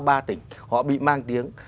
ba tỉnh họ bị mang tiếng